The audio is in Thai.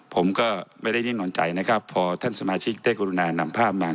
ผมก็ไม่ได้นิ่งนอนใจนะครับพอท่านสมาชิกได้กรุณานำภาพมา